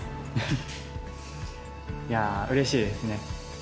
うれしいですね。